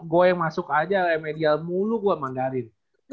gue yang masuk aja emedial mulu gue mandarin